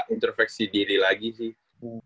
interveksi diri lagi sih